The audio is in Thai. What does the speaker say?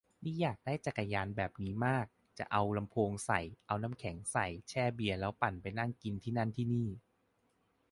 นี่อยากได้จักรยานแบบนี้มาก จะเอาลำโพงใส่ เอาถังน้ำแข็งใส่ แช่เบียร์ แล้วปั่นไปนั่งกินที่นั่นที่นี่